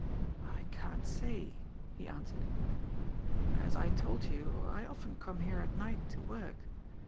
"I can't say," he answered. "As I told you, I often come here at night to work.